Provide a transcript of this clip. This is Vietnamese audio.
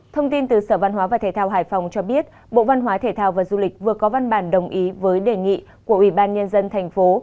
thông tin từ sở văn hóa và thể thao hải phòng cho biết bộ văn hóa thể thao và du lịch vừa có văn bản đồng ý với đề nghị của ủy ban nhân dân thành phố